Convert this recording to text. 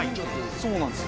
そうなんです。